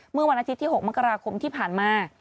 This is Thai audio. เมื่อวันอาทิตย์ที่๖มกราคมที่ผ่านมา